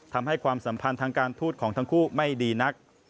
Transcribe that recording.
ความสัมพันธ์ทางการทูตของทั้งคู่ไม่ดีนัก